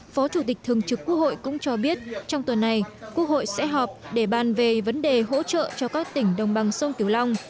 phó chủ tịch thường trực quốc hội cũng cho biết trong tuần này quốc hội sẽ họp để bàn về vấn đề hỗ trợ cho các tỉnh đồng bằng sông kiều long